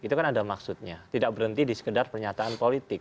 itu kan ada maksudnya tidak berhenti di sekedar pernyataan politik